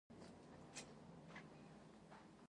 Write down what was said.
ظاهراً چلول واکمنانو لاس کې وي.